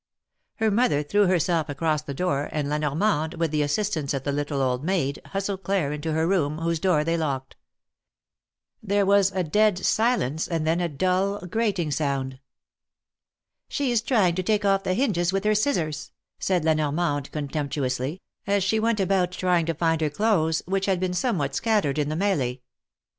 " Her mother threw herself across the door, and La Nor mande, with the assistance of the little old maid, hustled Claire into her room, whose door they locked. There was a dead silence, and then a dull, grating sound. ^^She is trying to take ofi* the hinges with her scissors," 292 THE MARKETS OP PARIS. said La Normande, contemptuously, as she went about trying to find her clothes, which had been somewhat scattered in the m§l4e.